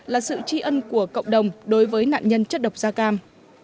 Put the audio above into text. là sự tri ân của cộng đồng đối với nạn nhân chất độc da cam